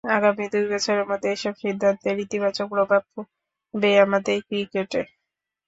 আগামী দুই বছরের মধ্যে এসব সিদ্ধান্তের ইতিবাচক প্রভাব পড়বে আমাদের ক্রিকেটে।